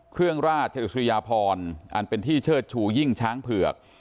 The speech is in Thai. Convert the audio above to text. เครื่องราชอิสริยพรอันเป็นที่เชิดชูยิ่งช้างเผือก